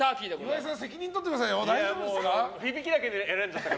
岩井さん、責任とってください。